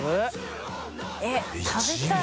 えっ食べたい。